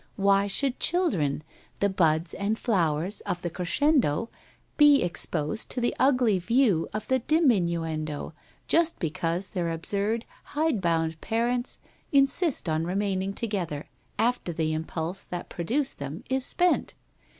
Why should children, the buds and flower of the crescendo, be exposed to the ugly view of the diminuendo just because their absurd, hidebound parents insist on remaining together after the impulse that pro duced, them is spent?